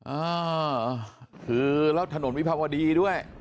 อ่าคือแล้วถนนวิภาวดีด้วย